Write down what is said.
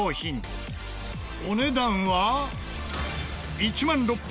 お値段は。